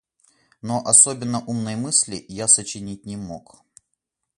Но особенно умной мысли я сочинить не мог.